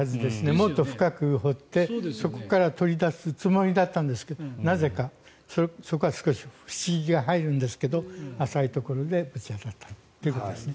もっと深く掘って取り出すつもりだったんでしょうけどなぜかそこが少し不思議が入るんですが浅いところで当たったということです。